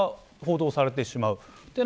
それが報道されてしまう。